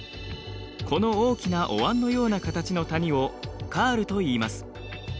この大きなおわんのような形の谷をカールといいます。